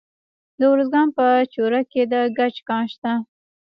د ارزګان په چوره کې د ګچ کان شته.